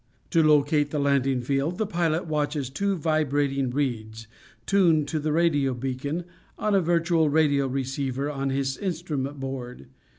To locate the landing field the pilot watches two vibrating reeds, tuned to the radio beacon, on a virtual radio receiver on his instrument board.